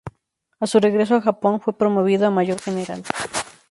A su regreso a Japón, fue promovido a mayor general.